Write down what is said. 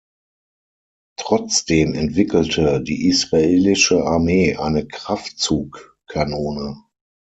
Trotzdem entwickelte die israelische Armee eine Kraftzug-Kanone.